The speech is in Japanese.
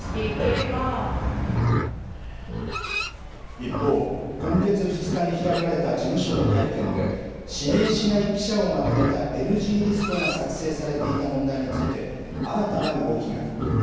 一方、今月２日に開かれた事務所の会見で指名しない記者をまとめたＮＧリストが作成されていた問題について新たな動きが。